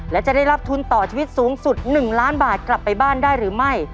และจะได้รับทุนต่อชีวิตสูงสุด๑ล้านบาทกลับไปบ้านได้หรือไม่